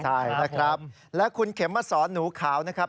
ใช่นะครับและคุณเข็มมาสอนหนูขาวนะครับ